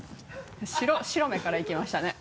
白目からいきましたね。